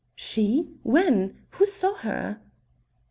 "She? When? Who saw her?"